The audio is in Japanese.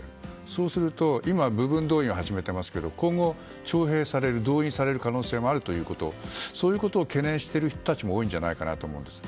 そうすると、今部分動員令を始めていますが今後徴兵される、動員される可能性もあるということでそういうことを懸念している人たちも多いんじゃないかと思うんです。